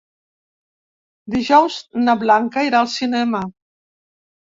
Dijous na Blanca irà al cinema.